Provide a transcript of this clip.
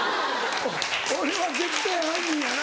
俺は絶対犯人やな。